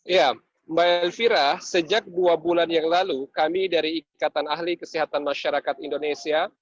ya mbak elvira sejak dua bulan yang lalu kami dari ikatan ahli kesehatan masyarakat indonesia